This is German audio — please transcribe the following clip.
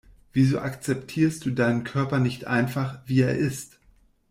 Wieso akzeptierst du deinen Körper nicht einfach, wie er ist?